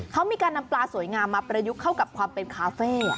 เขามีการนำปลาสวยงามมาประยุกต์เข้ากับความเป็นคาเฟ่